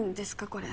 これ。